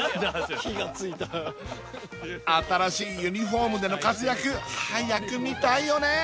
火がついた新しいユニフォームでの活躍早く見たいよね